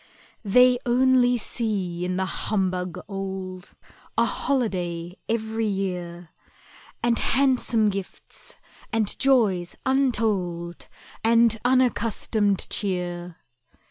They only see in the humbug old A holiday every year, And handsome gifts, and joys untold, And unaccustomed cheer.